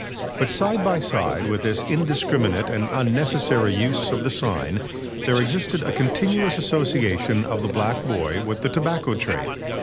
But side by side with this indiscriminate and unnecessary use of the sign there existed a continuous association of the "Black Boy" with the tobacco trade.